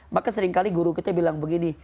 maka seringkali guru kita bilang begini